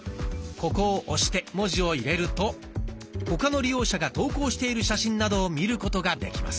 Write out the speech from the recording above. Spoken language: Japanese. ここを押して文字を入れると他の利用者が投稿している写真などを見ることができます。